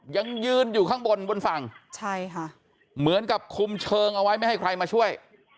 ยังยืนอยู่ข้างบนบนฝั่งใช่ค่ะเหมือนกับคุมเชิงเอาไว้ไม่ให้ใครมาช่วย